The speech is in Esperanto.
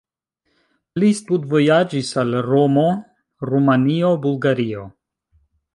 Li studvojaĝis al Romo, Rumanio, Bulgario.